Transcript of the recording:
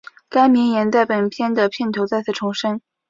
该名言在本片的片头再次重申。